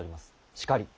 しかり。